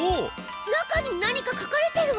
中に何か書かれてるわ。